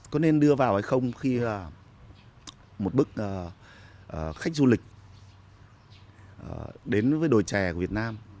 có nên đưa vào hay không khi là một bức khách du lịch đến với đồi trè của việt nam